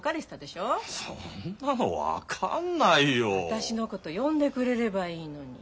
私のこと呼んでくれればいいのに。